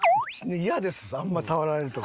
イヤですあんまり触られると。